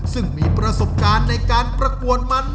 ซึ่งมีประสบการณ์ในการประกวดมานักเกดอาทิตยา